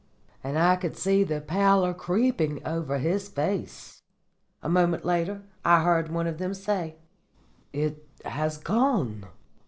And I could see the pallor creeping over his face. "A moment later I heard one of them say, 'It has gone.